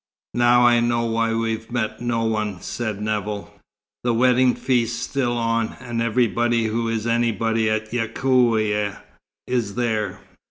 "Now I know why we've met no one," said Nevill. "The wedding feast's still on, and everybody who is anybody at Yacoua, is there.